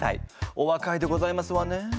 おわかいでございますわね。